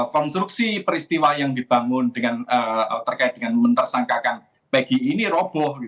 konstruksi peristiwa yang dibangun terkait dengan mentersangkakan pg ini roboh